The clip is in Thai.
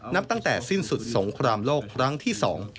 นับตั้งแต่สิ้นสุดสงครามโลกครั้งที่สอง